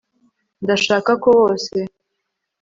ndashaka ko bose